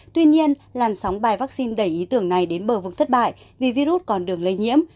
tuy nhiên làn sóng bài vaccine đẩy ý tưởng này đến bờ vực thất bại vì virus còn đường lây nhiễm